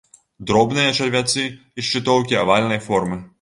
Дробныя чарвяцы і шчытоўкі авальнай формы.